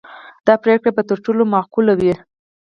دا پرېکړه به تر ټولو معقوله وي.